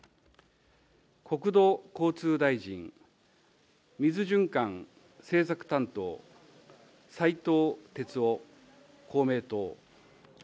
国土交通大臣、水循環政策担当、斉藤鉄夫、公明党。